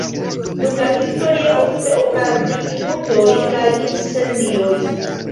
Dum la historio ofte okazis inundoj kaj incendioj.